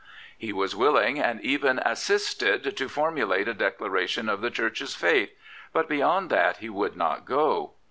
He was willing, and even assisted, to formulate a declaration of the Church's faith; but beyond that he would not go.